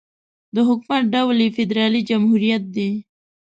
د حکومت ډول یې فدرالي جمهوريت دی.